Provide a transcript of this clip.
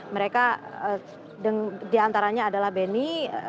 mereka di antaranya adalah beni